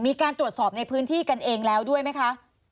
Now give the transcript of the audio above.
มีการตรวจสอบในพื้นที่กันเองแล้วด้วยไหมคะ